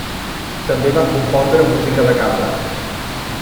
També va compondre música de cambra.